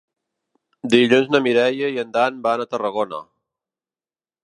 Dilluns na Mireia i en Dan van a Tarragona.